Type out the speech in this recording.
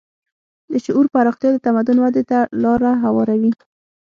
د شعور پراختیا د تمدن ودې ته لاره هواروي.